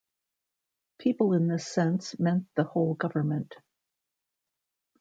People in this sense meant the whole government.